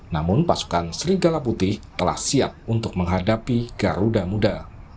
namun pasukan serigala putih telah siap untuk menghadapi garuda muda